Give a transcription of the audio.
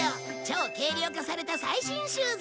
超軽量化された最新シューズ。